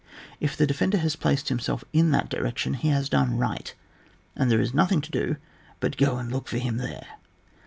If the defender has placed himself in that di rection, he has done right, and there is nothing to do but to go and look for him there.